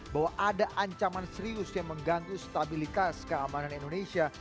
bahwa ada ancaman serius yang mengganggu stabilitas keamanan indonesia